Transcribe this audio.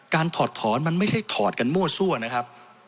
ถอดถอนมันไม่ใช่ถอดกันมั่วซั่วนะครับ